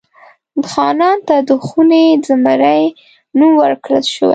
خانان ته د خوني زمري نوم ورکړل شوی.